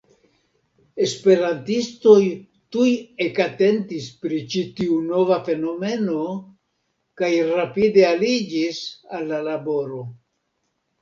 Esperantistoj tuj ekatentis pri ĉi tiu nova fenomeno, kaj rapide aliĝis al la laboro.